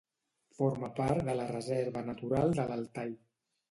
Forma part de la Reserva Natural de l'Altai.